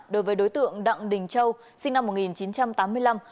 đối với đối tượng đặng đình châu sinh năm một nghìn chín trăm tám mươi năm